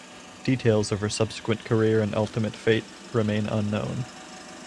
Details of her subsequent career and ultimate fate remain unknown.